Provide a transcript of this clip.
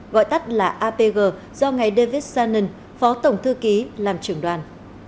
gọi tắt là apg do ngay david shannon phó tổng thư ký làm trưởng đoàn